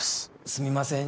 すみません。